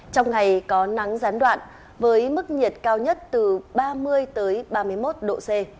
trong ngày có nắng gián đoạn với mức nhiệt cao nhất từ ba mươi ba mươi một độ c